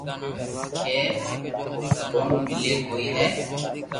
ڪي ڀگوان ملي ڪوئي ھي